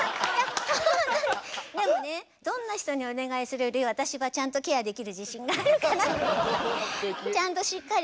でもねどんな人にお願いするより私はちゃんとケアできる自信があるからちゃんとしっかり。